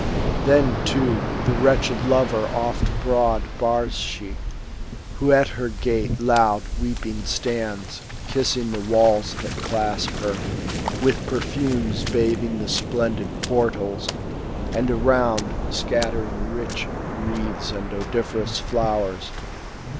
Then, too, the wretched lover oft abroad Bars she, who at her gate loud weeping stands. Kissing the walls that clasp her ; with perfumes Bathing the splendid portals, and around Scattering rich wreaths and odoriferous flowers.